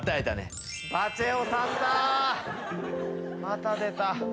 また出た。